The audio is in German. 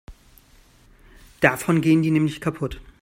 Davon gehen die nämlich kaputt.